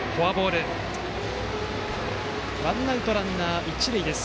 ワンアウトランナー、一塁です。